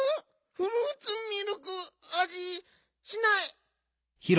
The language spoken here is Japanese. フルーツミルクあじしない。